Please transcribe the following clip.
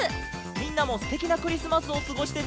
みんなもすてきなクリスマスをすごしてね。